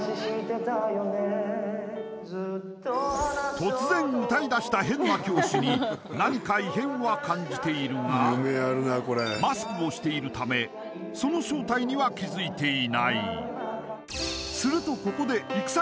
突然歌い出した変な教師に何か異変は感じているがマスクをしているためその正体には気づいていないするとここでキャ！